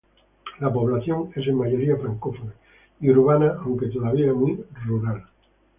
La población es en mayoría francófona y urbana aunque todavía muy rural.